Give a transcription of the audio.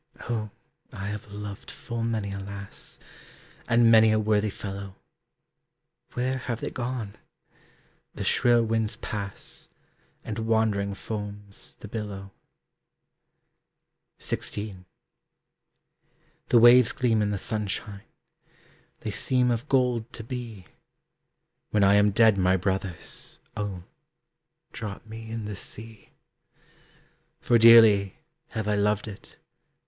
Oh I have loved full many a lass, And many a worthy fellow, Where have they gone? The shrill winds pass, And wandering foams the billow. XVI. The waves gleam in the sunshine, They seem of gold to be. When I am dead, my brothers, Oh drop me in the sea. For dearly have I loved it.